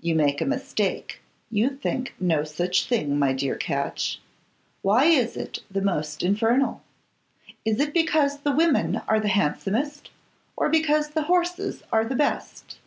You make a mistake, you think no such thing, my dear Catch. Why is it the most infernal? Is it because the women are the handsomest, or because the horses are the best?